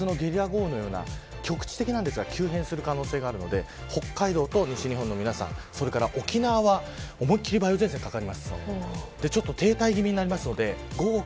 こういうときは夏のゲリラ豪雨のような局地的ですが急変する可能性があるので北海道と西日本の皆さん沖縄は思いっきり梅雨前線がかかります。